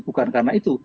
bukan karena itu